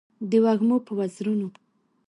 د وږمو په وزرونو